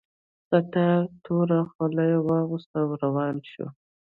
ستار توره خولۍ واغوسته او روان شو